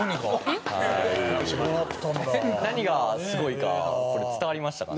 何がすごいかこれ伝わりましたかね？